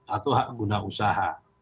atau hak guna usaha